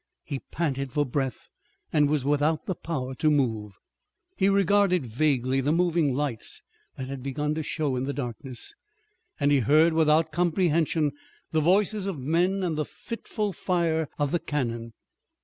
He panted for breath and was without the power to move. He regarded vaguely the moving lights that had begun to show in the darkness, and he heard without comprehension the voices of men and the fitful fire of the cannon.